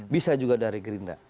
bisa juga dari gerinda